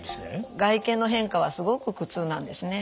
外見の変化はすごく苦痛なんですね。